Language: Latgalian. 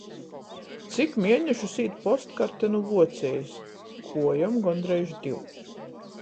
Cik mienešus īt postkarte nu Vuocejis? Kuojom gondreiž div.